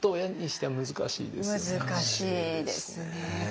難しいです。